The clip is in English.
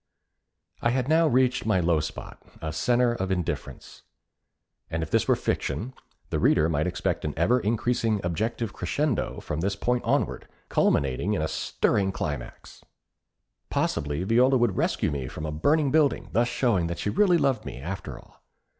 I had now reached my low spot a centre of indifference; and if this were fiction, the reader might expect an ever increasing objective crescendo from this point onward, culminating in a stirring climax. Possibly Viola would rescue me from a burning building, thus showing that she really loved me, after all.